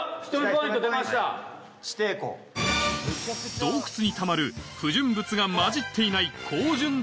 洞窟にたまる不純物が混じっていない